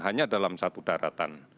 hanya dalam satu daratan